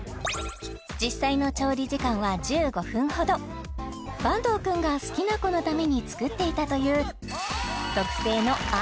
実際の調理時間は１５分ほど坂東君が好きな子のために作っていたという特製の「愛」